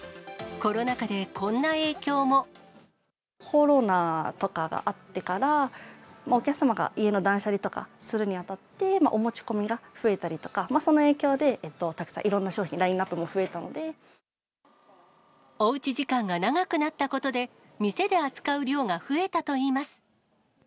コロナとかがあってから、お客様が家の断捨離とかするにあたって、お持ち込みが増えたりとか、その影響で、たくさんいろんな商おうち時間が長くなったことで、店で扱う量が増えたといいます。